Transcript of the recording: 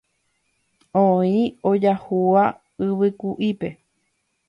oĩ ojahúva yvyku'ípe